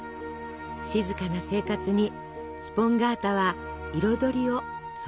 静かな生活にスポンガータは彩りを添えていたのでしょうか。